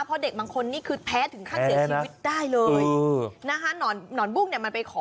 เพราะเด็กบางคนนี่คือแพ้ถึงขั้นเสียชีวิตได้เลยนะคะหนอนบุ้งเนี่ยมันไปขอ